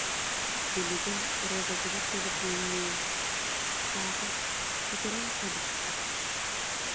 Билигин Розатыгар төлөпүөннүөн, саатар, сүтэрэн кэбиспит.